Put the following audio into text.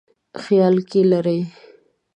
خیال کې لري.